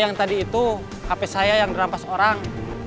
yang tadi itu hp saya yang dirampas orang